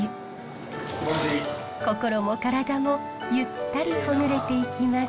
心も体もゆったりほぐれていきます。